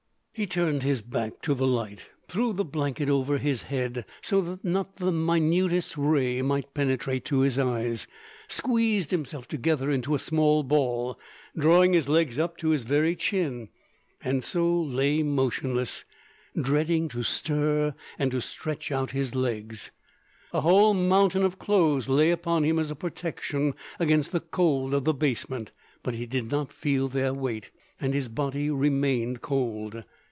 He turned his back to the light, threw the blanket over his head, so that not the minutest ray might penetrate to his eyes, squeezed himself together into a small ball, drawing his legs up to his very chin, and so lay motionless, dreading to stir and to stretch out his legs. A whole mountain of clothes lay upon him as a protection against the cold of the basement, but he did not feel their weight, and his body remained cold.